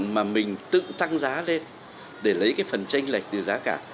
mà mình tự tăng giá lên để lấy cái phần tranh lệch từ giá cả